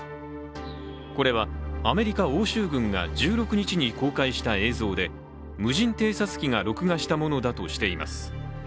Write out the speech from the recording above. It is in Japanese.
これはアメリカ欧州軍が１６日に公開した映像で無人偵察機が録画したものだとしています。